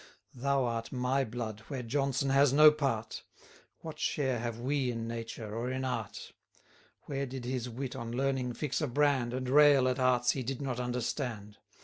Thou art my blood, where Jonson has no part: What share have we in nature, or in art? Where did his wit on learning fix a brand, And rail at arts he did not understand?